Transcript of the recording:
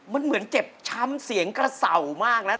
มันเหมือนเจ็บช้ำเสียงกระเสามากนะ